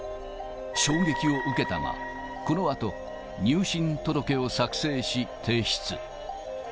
衝撃を受けたが、このあと入信届を作成し提出。